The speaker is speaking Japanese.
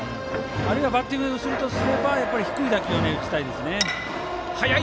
あるいはバッティングする子は低い打球を打ちたいですね。